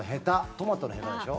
トマトのへたでしょ。